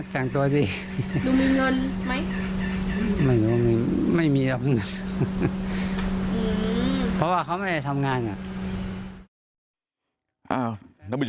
สั่งตัวสิตรงมีเงินมั้ยไม่มีเพราะว่าเขาไม่ได้ทำงานอ่ะ